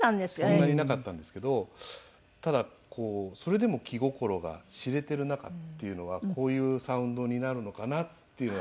そんなになかったんですけどただそれでも気心が知れている仲っていうのはこういうサウンドになるのかなっていうのは。